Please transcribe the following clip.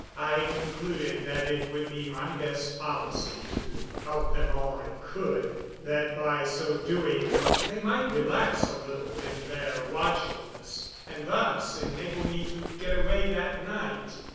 I concluded that it would be my best policy to help them all I could that by so doing they might relax a little in their watchfulness, and thus enable me to get away that night.